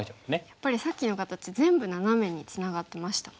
やっぱりさっきの形全部ナナメにツナがってましたもんね。